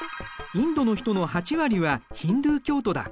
インドの人の８割はヒンドゥー教徒だ。